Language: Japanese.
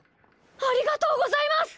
ありがとうございます！